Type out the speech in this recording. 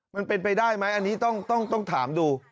มันเป็นไปได้ไหมอันนี้ต้องถามดู